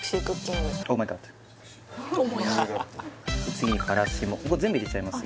次にからしも全部入れちゃいます